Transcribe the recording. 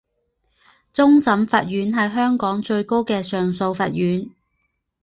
终审法院是香港最高的上诉法院。